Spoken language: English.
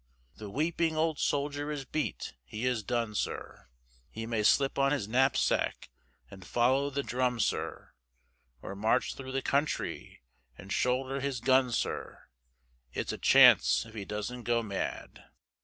The weeping old soldier is beat, he is done, sir, He may slip on his knapsack and follow the drum, sir, Or march thro' the country, and shoulder his gun, sir, It's a chance if he doesn't go mad.